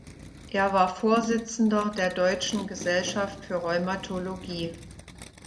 Er war Vorsitzender der "Deutschen Gesellschaft für Rheumatologie".